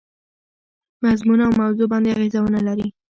مضمون او موضوع باندي اغېزه ونه لري.